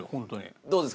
どうですか？